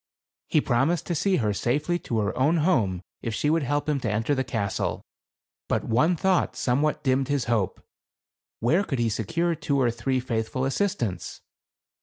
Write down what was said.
He promised to see her safely to her own home if she would help him to enter the castle. But one thought somewhat dimmed his hope ; where could he secure two or three faithful assistants